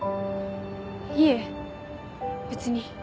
いえ別に。